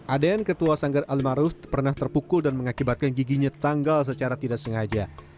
aden ketua sanggar al maruf pernah terpukul dan mengakibatkan giginya tanggal secara tidak sengaja